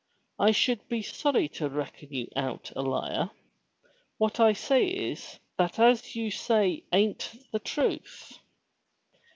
I should be sorry to reckon you out a liar. What I say is that as you say an't the truth."